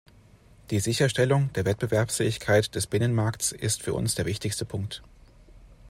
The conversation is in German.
Die Sicherstellung der Wettbewerbsfähigkeit des Binnenmarkts ist für uns der wichtigste Punkt.